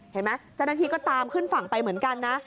เห็นไหมเจ้าหน้าที่ก็ตามขึ้นฝั่งไปเหมือนกันนะ